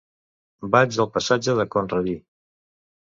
Vaig al passatge de Conradí.